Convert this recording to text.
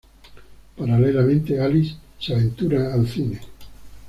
Paralelamente, Alice se aventura al cine.